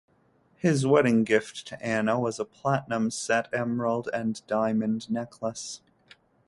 His wedding gift to Anna was a platinum-set emerald and diamond necklace.